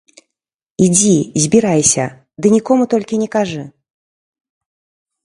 Ідзі, збірайся, ды нікому толькі не кажы.